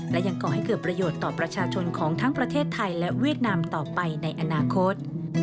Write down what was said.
และยังก่อให้เกิดประโยชน์ต่อประชาชนของทั้งประเทศไทยและเวียดนามต่อไปในอนาคต